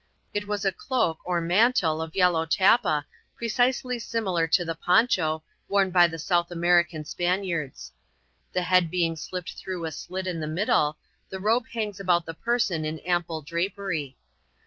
It was a cloak, or mantle of yellow tappa, precisely similar to the ^^ poncho^ worn by the South Americai Spaniards. The head being slipped through a slit in the middle, the robe hangs about the person in ample drapery.